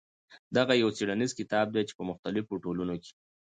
دغه يو څېړنيز کتاب دى چې په مختلفو ټولنو کې.